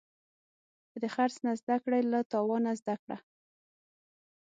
که د خرڅ نه زده کړې، له تاوانه زده کړه.